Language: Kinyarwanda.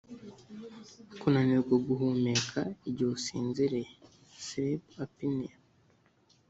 Kunanirwa guhumeka igihe usinziriye (sleep apnea)